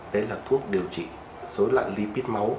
đấy là thuốc điều trị dối loạn lipid máu